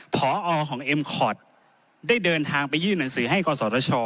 พอของเอ็มคอร์ดได้เดินทางไปยื่นหนังสือให้กศช